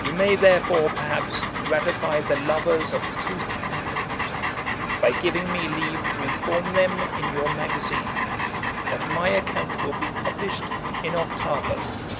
You may therefore, perhaps, gratify the lovers of truth and wit, by giving me leave to inform them in your Magazine, that my account will be published in 8vo.